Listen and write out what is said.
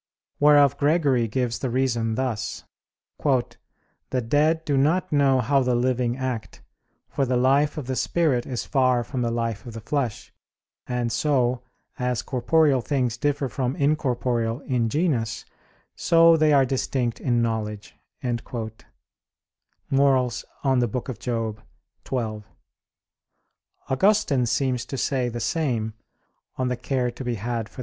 Whereof Gregory gives the reason thus: "The dead do not know how the living act, for the life of the spirit is far from the life of the flesh; and so, as corporeal things differ from incorporeal in genus, so they are distinct in knowledge" (Moral. xii). Augustine seems to say the same (De Cura pro Mort.